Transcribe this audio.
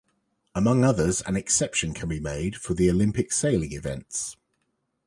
Among others, an exception can be made for the Olympic sailing events.